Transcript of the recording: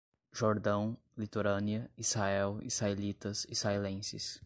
Jordão, litorânea, Israel, israelitas, israelenses